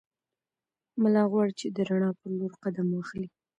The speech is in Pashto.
ملا غواړي چې د رڼا په لور قدم واخلي.